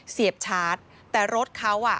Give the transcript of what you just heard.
เสียบชาร์จแต่รถเขา